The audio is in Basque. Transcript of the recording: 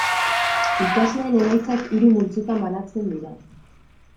Ikasleen emaitzak hiru multzotan banatzen dira.